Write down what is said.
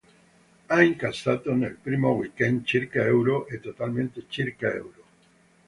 Ha incassato nel primo weekend circa euro, e totalmente circa euro.